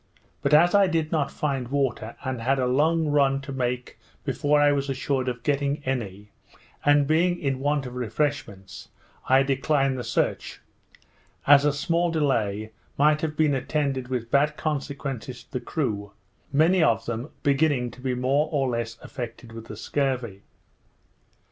But as I did not find water, and had a long run to make before I was assured of getting any, and being in want of refreshments, I declined the search; as a small delay might have been attended with bad consequences to the crew, many of them beginning to be more or less affected with the scurvy.